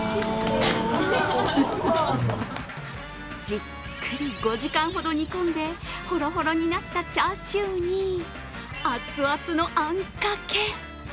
じっくり５時間ほど煮込んでほろほろになったチャーシューに熱々のあんかけ。